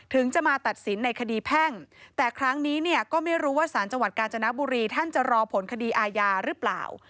ถึงจะมาตัดสินในคดีแพ่งแต่ครั้งนี้เนี่ยก็ไม่รู้ว่าสารจังหวัดกาญจนบุรีท่านจะรอผลคดีอาญาหรือเปล่า